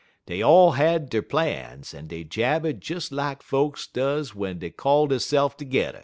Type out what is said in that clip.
Dey all had der plans, en dey jabbered des lak folks does w'en dey call deyse'f terge'er.